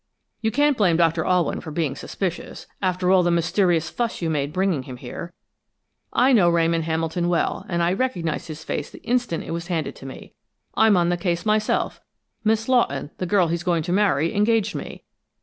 You can't blame Doctor Alwyn for being suspicious, after all the mysterious fuss you made bringing him here. I know Ramon Hamilton well, and I recognized his face the instant it was handed to me! I'm on the case, myself Miss Lawton, the girl he's going to marry, engaged me.